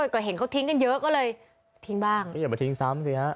ก็เห็นเขาทิ้งกันเยอะก็เลยทิ้งบ้างอย่ามาทิ้งซ้ำสิฮะ